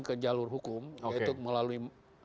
ke jalur hukum yaitu melalui